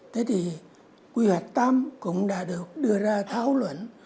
thế thì quy hoạch điện tám cũng đã được đưa ra thảo luận